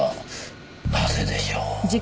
なぜでしょう？